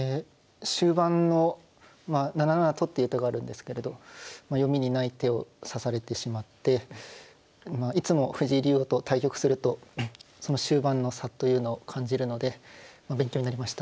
終盤の７七とっていう手があるんですけれど読みにない手を指されてしまっていつも藤井竜王と対局するとその終盤の差というのを感じるので勉強になりました。